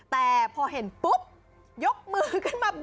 แต่พอเห็นปุ๊บยกมือขึ้นมา